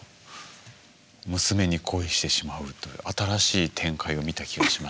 娘に恋してしまうという新しい展開を見た気がしましたが。